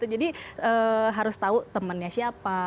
jadi harus tahu temennya siapa